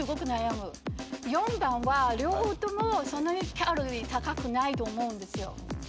４番は両方ともそんなにカロリー高くないと思うんですよ。